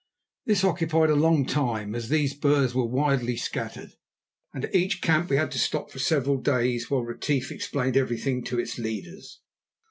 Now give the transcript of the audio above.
This occupied a long time, as these Boers were widely scattered, and at each camp we had to stop for several days while Retief explained everything to its leaders.